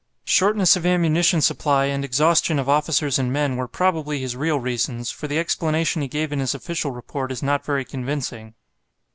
Shortness of ammunition supply and exhaustion of officers and men were probably his real reasons, for the explanation he gave in his official report is not very convincing.